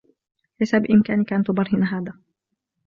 ليس بإمكانك أن تبرهن هذا